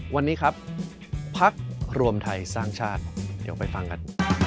วันนี้ครับพักรวมไทยสร้างชาติเดี๋ยวไปฟังกัน